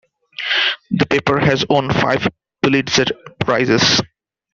The paper has won five Pulitzer Prizes.